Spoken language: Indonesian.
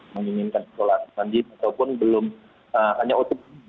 menginginkan isolasi mandi ataupun belum hanya otg